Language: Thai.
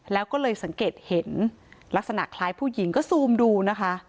แล้วก็เลยสังเกตเห็นลักษณะคล้ายผู้หญิงก็ซูมดูนะคะ